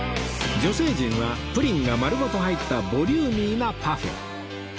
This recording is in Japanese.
女性陣はプリンが丸ごと入ったボリューミーなパフェ